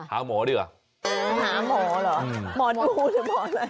หาหมอเหรอหมอดูหรือหมออะไร